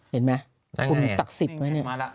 เห็นมั้ยคุณศักดิ์ศิษย์ไหมเนี่ย